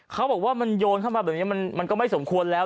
เขาบอกว่ามันโยนเข้ามาแบบนี้มันก็ไม่สมควรแล้ว